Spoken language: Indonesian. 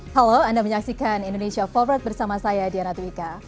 halo anda menyaksikan indonesia forward bersama saya diana twika